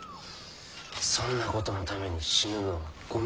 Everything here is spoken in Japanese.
そんなことのために死ぬのは御免ですな。